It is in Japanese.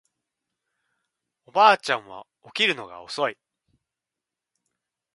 おばあちゃんは起きるのが遅い